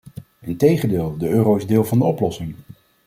Integendeel, de euro is deel van de oplossing.